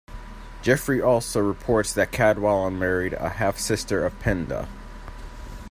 Geoffrey also reports that Cadwallon married a half-sister of Penda.